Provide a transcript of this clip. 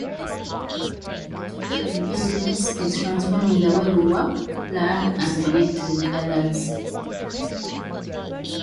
Some users have reported a minor audio distortion with lower dosages.